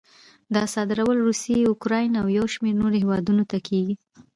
دا صادرول روسیې، اوکراین او یو شمېر نورو هېوادونو ته کېږي.